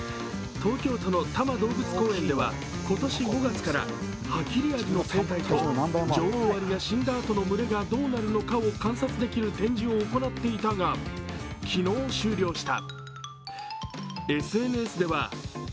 東京都の多摩動物公園では、今年５月からハキリアリの生態と、女王アリが死んだあと、どうなるのかを観察できる展示を行っていたが、昨日、終了した。